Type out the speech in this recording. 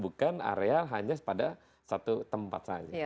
bukan areal hanya pada satu tempat saja